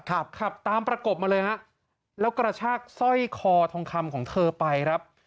ขับขับตามประกบมาเลยฮะแล้วกระชากสร้อยคอทองคำของเธอไปครับ